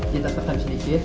kita tekan sedikit